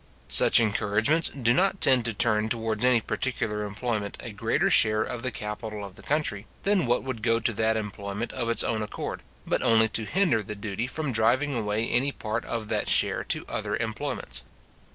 Such encouragements do not tend to turn towards any particular employment a greater share of the capital of the country, than what would go to that employment of its own accord, but only to hinder the duty from driving away any part of that share to other employments.